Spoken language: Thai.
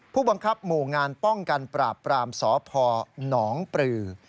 ผู้บังคับหมู่งานป้องกันปราบปรามสพหนองปลือ